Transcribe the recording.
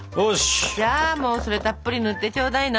じゃあもうそれたっぷり塗ってちょうだいな！